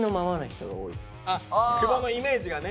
久保のイメージがね。